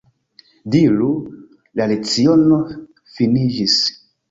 Diru: La leciono finiĝis.